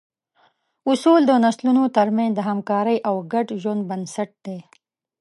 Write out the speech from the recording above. اصول د نسلونو تر منځ د همکارۍ او ګډ ژوند بنسټ دي.